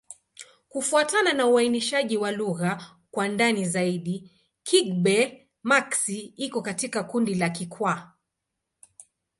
Kufuatana na uainishaji wa lugha kwa ndani zaidi, Kigbe-Maxi iko katika kundi la Kikwa.